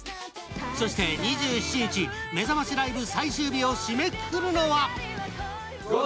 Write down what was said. そして２７日、めざましライブ最終日を締めくくるのは。